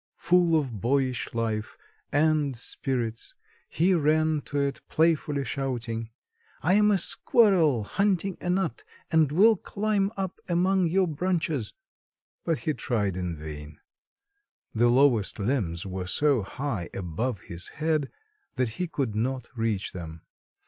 Full of boyish life and spirits he ran to it playfully shouting: "I am a squirrel hunting a nut and will climb up among your branches." But he tried in vain. The lowest limbs were so high above his head that he could not reach them.